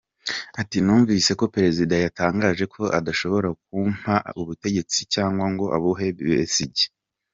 Ati” Numvise ko Perezida yatangaje ko adashobora kumpa ubutegetsi cyangwa ngo abuhe Besigye.